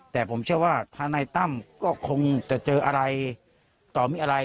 แต่ผมเชื่อว่าธนายตั้มก็คงจะเจออะไรต่อมีอะไร